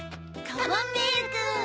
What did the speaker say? カマンベールくん。